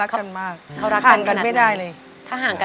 ป่ะรักกันมาก